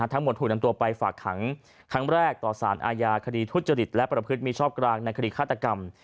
ถูกนำตัวไปฝากขังครั้งแรกต่อสารอาญาคดีทุจริตและประพฤติมีชอบกลางในคดีฆาตกรรม